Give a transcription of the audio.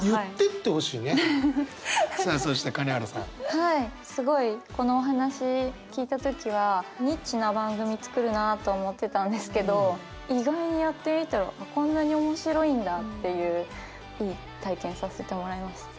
はいすごいこのお話聞いた時はニッチな番組作るなと思ってたんですけど意外にやってみたらこんなに面白いんだっていういい体験させてもらいました。